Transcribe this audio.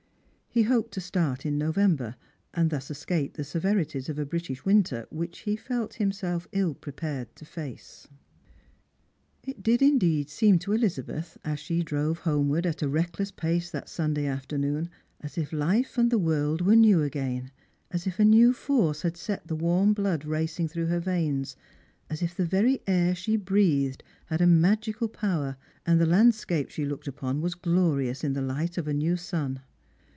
He hoped to start in November, and thus escape the severities of a British winter, which he felt himself ill prepared to face. It did indeed seem to Elizabeth, as she drove homeward at a recljess pace that Sunday afternoon, as if life and the world were new again, as if a new force had set the warm blood racing through her veins, as if the very air she breathed had a magical Sower, and the landscape she looked upon was glorious in the ght of a new sun.